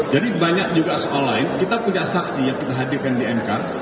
jadi banyak juga soal lain kita punya saksi yang kita hadirkan di mk